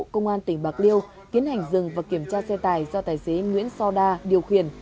công an tỉnh bạc liêu kiến hành dừng và kiểm tra xe tải do tài xế nguyễn soda điều khiển